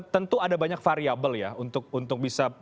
tentu ada banyak variable ya untuk bisa